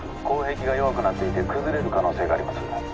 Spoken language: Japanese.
坑壁が弱くなっていて崩れる可能性があります